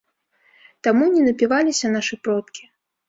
Таму не напіваліся нашы продкі.